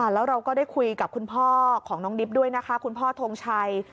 แล้วเราก็ได้คุยกับคุณพ่อของน้องดิบด้วยนะคะคุณพ่อทงชัย